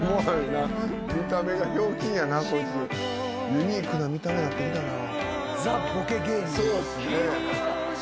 ユニークな見た目なってきたな。